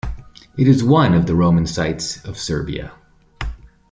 It is one of the Roman sites of Serbia.